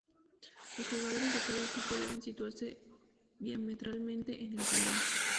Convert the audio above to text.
Los jugadores de cada equipo deben situarse diametralmente en el tablero.